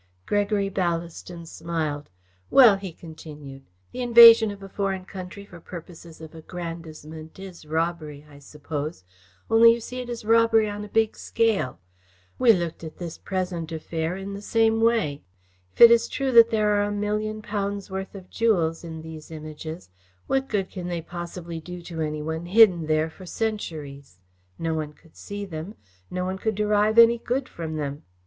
Gregory Ballaston smiled. "Well," he continued, "the invasion of a foreign country for purposes of aggrandisement is robbery, I suppose, only, you see, it is robbery on a big scale. We looked at this present affair in the same way. If it is true that there are a million pounds' worth of jewels in these images, what good can they possibly do to any one hidden there for centuries? No one could see them. No one could derive any good from them.